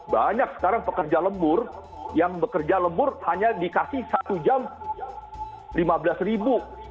banyak sekarang pekerja lembur yang bekerja lembur hanya dikasih satu jam lima belas ribu